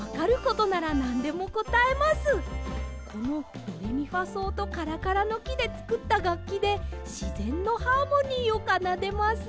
このドレミファそうとカラカラのきでつくったがっきでしぜんのハーモニーをかなでます。